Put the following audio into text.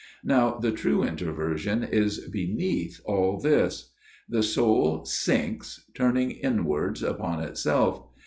Now the true introversion is beneath all this. The soul sinks, turning inwards upon itself.